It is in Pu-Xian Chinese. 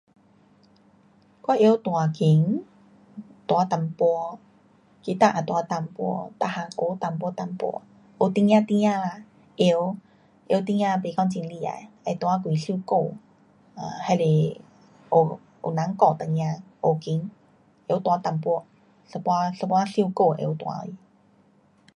我会晓弹琴，弹一点，吉他也弹一点。每样学一点一点。有丁儿丁儿啦，会晓丁儿，不讲很厉害，会弹几首歌。啊，还是有人教丁儿学琴。会弹一点，一，一半首歌会晓弹。